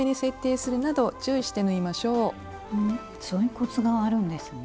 そういうコツがあるんですね。